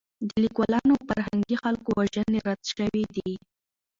د لیکوالانو او فرهنګي خلکو وژنې رد شوې دي.